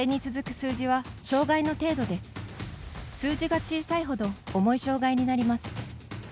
数字が小さいほど重い障がいになります。